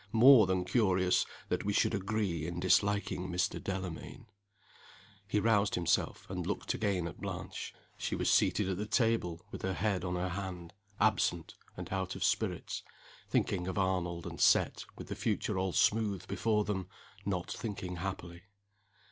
More than curious that we should agree in disliking Mr. Delamayn." He roused himself, and looked again at Blanche. She was seated at the table, with her head on her hand; absent, and out of spirits thinking of Arnold, and set, with the future all smooth before them, not thinking happily.